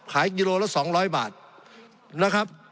กิโลละ๒๐๐บาทนะครับ